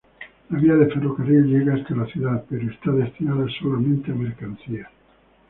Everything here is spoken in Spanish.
La vía de ferrocarril llega hasta la ciudad, pero está destinada solamente a mercancías.